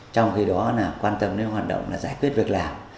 trong khi đó quan tâm đến hoạt động là giải quyết việc làm